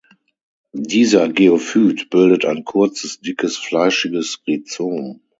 Dieser Geophyt bildet ein kurzes, dickes, fleischiges Rhizom.